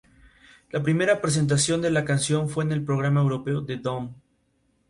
La más representativa es la iglesia principal dedicada a San Francisco de Asís.